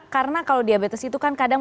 karena kalau diabetes itu kan kadang